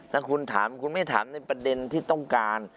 ถ้าคุณถามคุณไม่ถามในประเด็นที่ต้องการ